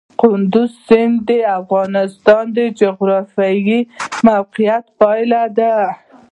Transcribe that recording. کندز سیند د افغانستان د جغرافیایي موقیعت پایله ده.